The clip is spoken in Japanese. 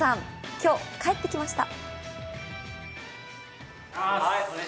今日、帰ってきました。